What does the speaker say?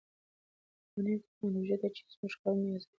دا نوې تکنالوژي ده چې زموږ کارونه یې اسانه کړي دي.